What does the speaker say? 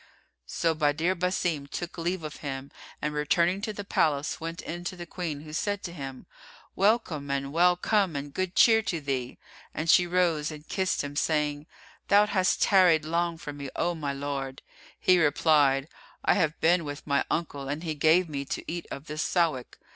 So Badr Basim took leave of him and returning to the palace, went in to the Queen, who said to him, "Welcome and well come and good cheer to thee!" And she rose and kissed him, saying, "Thou hast tarried long from me, O my lord." He replied, "I have been with my uncle, and he gave me to eat of this Sawik."